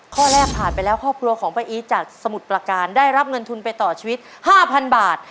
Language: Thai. ข้อแรกผ่านไปแล้วครอบครัวของป้าอีทจากสมุทรประการได้รับเงินทุนไปต่อชีวิต๕๐๐๐บาท